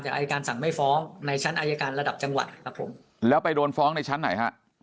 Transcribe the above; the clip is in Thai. แต่อายการสั่งไม่ฟ้องในชั้นอายการระดับจังหวัดครับผมแล้วไปโดนฟ้องในชั้นไหนฮะ